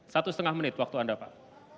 satu setengah menit waktu anda pak